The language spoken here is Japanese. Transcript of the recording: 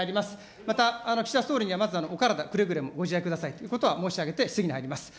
また岸田総理にはまずお体、くれぐれもご自愛くださいということを申し上げて質疑に入ります。